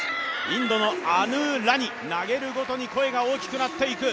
インドのアヌー・ラニ、投げるごとに声が大きくなっていく。